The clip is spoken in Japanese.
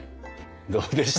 どうでした？